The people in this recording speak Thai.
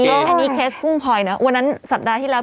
อันนี้เคสกุ้งพลอยนะวันนั้นสัปดาห์ที่แล้ว